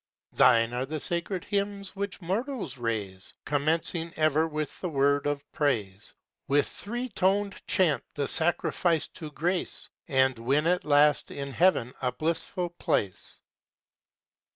Thine are the sacred hymns which mortals raise, Commencing ever with the word of praise, With three toned chant the sacrifice to grace, And win at last in heaven a blissful place.